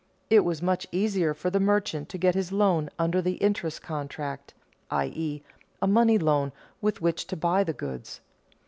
It was much easier for the merchant to get his loan under the interest contract, i.e., a money loan, with which to buy the goods.